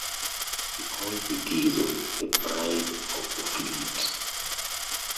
He called the "Gizo" the "pride of the fleet".